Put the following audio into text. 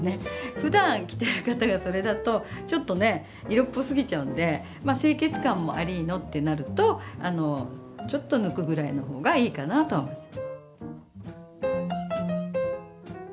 ふだん着てる方がそれだとちょっとね色っぽすぎちゃうんでまあ清潔感もありのってなるとちょっと抜くぐらいのほうがいいかなとは思います。